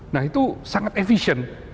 nah itu sangat efisien